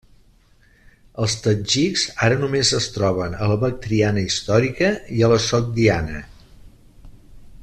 Els tadjiks ara només es troben a la Bactriana històrica i a Sogdiana.